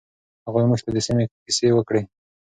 هغوی موږ ته د سیمې کیسې وکړې.